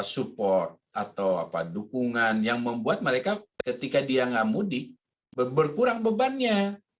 support atau dukungan yang membuat mereka ketika dia nggak mudik berkurang bebannya